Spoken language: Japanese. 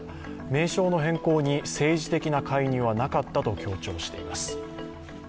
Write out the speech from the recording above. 名称の変更に政治的な介入はなかったと強調しています。